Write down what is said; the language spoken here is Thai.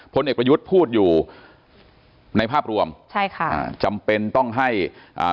พลเอกประยุทธ์พูดอยู่ในภาพรวมใช่ค่ะอ่าจำเป็นต้องให้อ่า